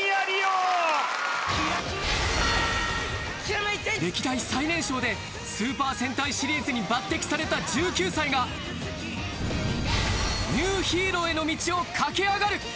璃央歴代最年少でスーパー戦隊シリーズに抜擢された１９歳がニューヒーローへの道を駆け上がる！